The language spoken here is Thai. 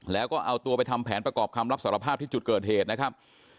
แล้วก็เอาตัวไปทำแผนประกอบคำรับสารภาพที่จุดเกิดเหตุนะครับ